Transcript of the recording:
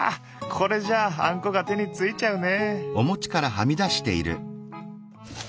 これじゃあんこが手についちゃうね。